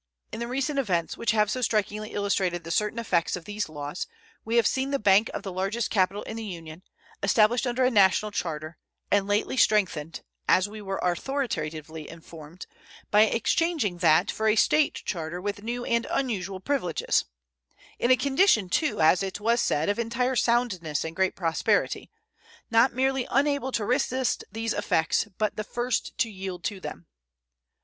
In the recent events, which have so strikingly illustrated the certain effects of these laws, we have seen the bank of the largest capital in the Union, established under a national charter, and lately strengthened, as we were authoritatively informed, by exchanging that for a State charter with new and unusual privileges in a condition, too, as it was said, of entire soundness and great prosperity not merely unable to resist these effects, but the first to yield to them.